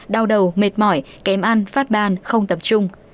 đau đầu mệt mỏi kém ăn phát ban không tập trung